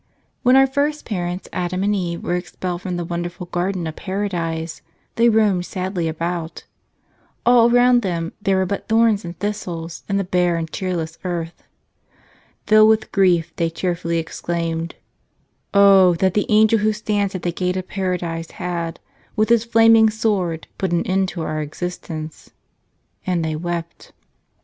When our first parents, Adam and Eve, were expelled from the wonderful garden of Paradise, they roamed sadly about. All around them there were but thorns and thistles and the bare and cheerless earth. Filled with grief, they tearfully exclaimed: "Oh that the angel who stands at the gate of Paradise had, with his flaming sword, put an end to our existence !" And they wept.